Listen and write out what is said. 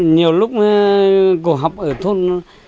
nhiều lúc cô học ở thôn